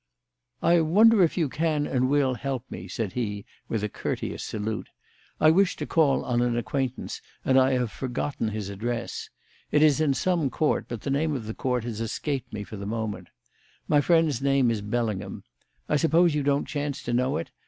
"I wonder if you can and will help me," said he, with a courteous salute. "I wish to call on an acquaintance, and I have forgotten his address. It is in some court, but the name of that court has escaped me for the moment. My friend's name is Bellingham. I suppose you don't chance to know it?